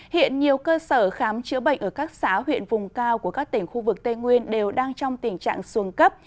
hiện nhiều cơ sở khám chữa bệnh ở các xã huyện vùng cao của các tỉnh khu vực tây nguyên đều đang trong tình trạng xuống cấp